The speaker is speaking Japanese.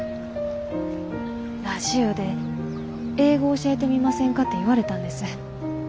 「ラジオで英語教えてみませんか」て言われたんです。